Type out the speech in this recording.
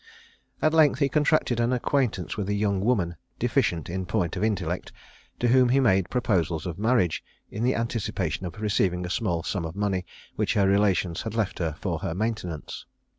At length he contracted an acquaintance with a young woman deficient in point of intellect, to whom he made proposals of marriage, in the anticipation of receiving a small sum of money, which her relations had left her for her maintenance.